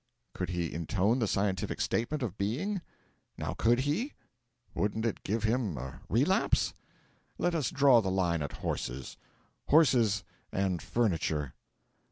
Could he intone the Scientific Statement of Being? Now, could he? Wouldn't it give him a relapse? Let us draw the line at horses. Horses and furniture.